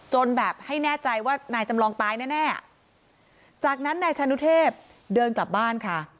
แบบให้แน่ใจว่านายจำลองตายแน่แน่จากนั้นนายชานุเทพเดินกลับบ้านค่ะ